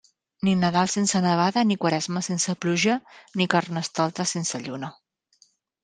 Ni Nadal sense nevada, ni Quaresma sense pluja, ni Carnestoltes sense lluna.